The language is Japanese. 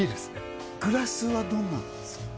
グラスはどんなのですか？